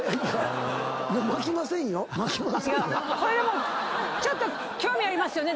これでもちょっと興味ありますよね！